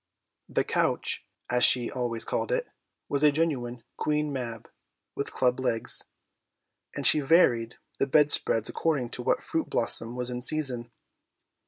The couch, as she always called it, was a genuine Queen Mab, with club legs; and she varied the bedspreads according to what fruit blossom was in season.